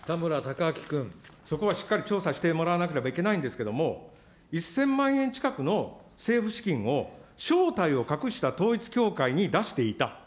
そこはしっかり調査してもらわなければいけないんですけれども、１０００万円近くの政府資金を正体を隠した統一教会に出していた。